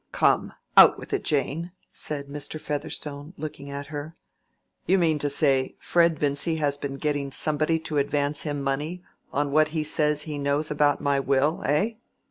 "Come, out with it, Jane!" said Mr. Featherstone, looking at her. "You mean to say, Fred Vincy has been getting somebody to advance him money on what he says he knows about my will, eh?"